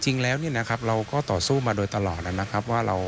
จริงแล้วเราก็ต่อสู้มาโดยตลอดนะครับว่า